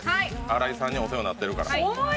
新井さんにはお世話になってるから。